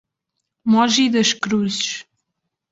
Moji Das Cruzes